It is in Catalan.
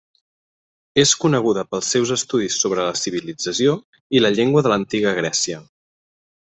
És coneguda pels seus estudis sobre la civilització i la llengua de l'Antiga Grècia.